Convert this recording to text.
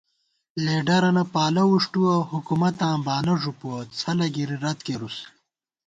لیڈَرَنہ پالہ وُݭٹُوَہ ، حُکُمَتاں بانہ ݫُپُوَہ ، څھلَہ گِرِی رت کېرُس